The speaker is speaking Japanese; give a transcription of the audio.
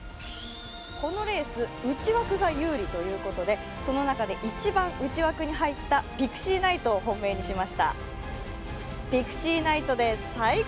このレース、内枠が有利ということでその中で一番内枠に入ったピクシーナイトを本命にしました。